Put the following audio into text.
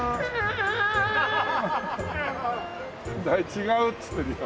違うっつってるよ。